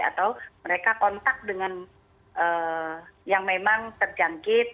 atau mereka kontak dengan yang memang terjangkit